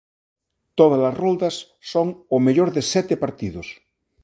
Tódalas roldas son ó mellor de sete partidos.